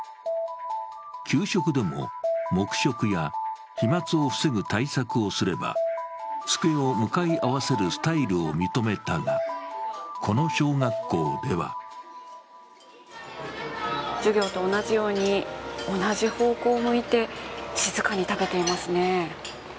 給食でも、黙食や飛まつを防ぐ対策をすれば机を向かい合わせるスタイルを認めたが、この小学校では授業と同じように、同じ方向を向いて静かに食べていますね。